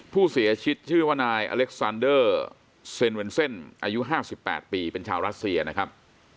ผู้เสียชีวิตชื่อว่านายอเล็กซานเดอร์เซ็นเวนเซ่นอายุ๕๘ปีเป็นชาวรัสเซียนะครับ